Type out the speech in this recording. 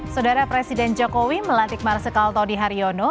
saudara presiden jokowi melantik marsikal tony hariono